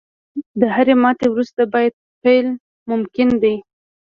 • د هرې ماتې وروسته، بیا پیل ممکن دی.